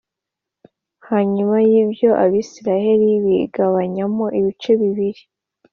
Hanyuma y’ibyo Abisirayeli bigabanyamo ibice bibiri